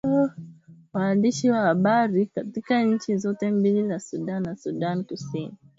Waandishi wa habari katika nchi zote mbili za Sudan na Sudan Kusini